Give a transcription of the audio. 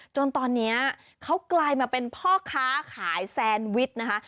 จนตอนนี้เขากลายมาเป็นพ่อค้าขายแซนวิชนะคะ